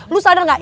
lo sadar gak